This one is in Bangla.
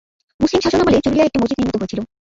মুসলিম শাসন আমলে চুরুলিয়ায় একটি মসজিদ নির্মিত হয়েছিল।